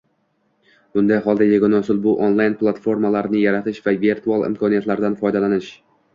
Bunday holda, yagona usul - bu onlayn platformalarni yaratish va virtual imkoniyatlardan foydalanish